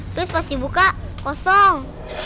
terus pas dibuka kosong